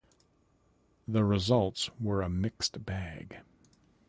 The results were a mixed bag.